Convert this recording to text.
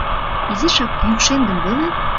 Изишак йӱкшен гын веле?